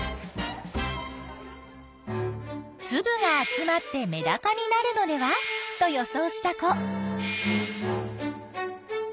つぶが集まってメダカになるのではと予想した子。